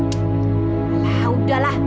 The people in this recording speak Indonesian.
ck alah udahlah